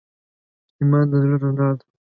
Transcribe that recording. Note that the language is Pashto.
ایمان د زړه رڼا ده.